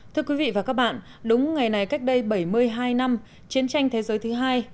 thưa quý vị và các bạn đúng ngày này cách đây bảy mươi hai năm chiến tranh thế giới thứ hai